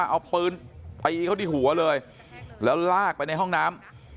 เอาปืนตีเขาที่หัวเลยแล้วลากไปในห้องน้ำ